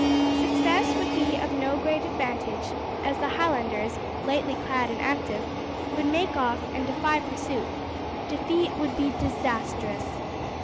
Success would be of no great advantage, as the Highlanders, lightly clad and active, would make off and defy pursuit; defeat would be disastrous.